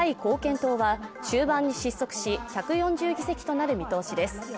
党は終盤に失速し、１４０議席となる見通しです。